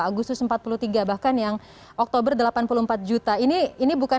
agustus empat puluh tiga bahkan yang oktober delapan puluh empat juta ini bukan